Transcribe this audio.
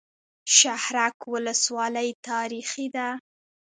شهرک ولسوالۍ تاریخي ده؟